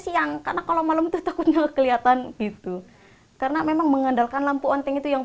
siang karena kalau malam tuh takutnya kelihatan gitu karena memang mengandalkan lampu onting itu yang